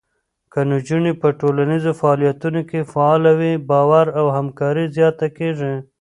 که نجونې په ټولنیزو فعالیتونو کې فعاله وي، باور او همکاري زیاته کېږي.